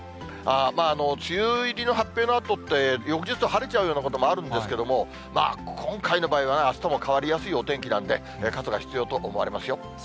まあ、梅雨入りの発表のあとって、翌日晴れちゃうようなこともあるんですけども、まあ、今回の場合はあすにも変わりやすいお天気なんで、傘が必要と思われますよ。